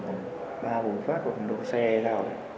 đậu ở tầm ba bốn phát của phần đậu xe nào đấy